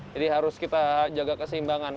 jadi harus kita jaga keseimbangan